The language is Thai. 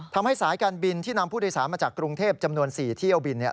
ทำให้สายการบินที่นำผู้โดยสารมาจากกรุงเทพจำนวน๔เที่ยวบิน